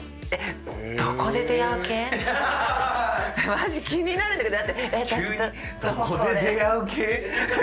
マジ気になるんだけど。